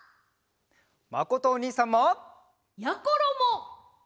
まことおにいさんも！やころも！